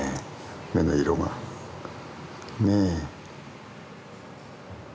目の色がねえ。